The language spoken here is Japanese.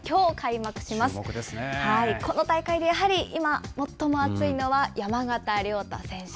この大会でやはり今、最も熱いのは山縣亮太選手。